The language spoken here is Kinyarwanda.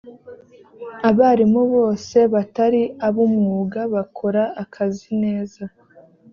abarimu bose batari ab ‘umwuga bakora akazi neza.